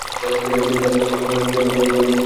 তিনি তার school cricket দলের সহ-অধিনায়ক ছিলেন।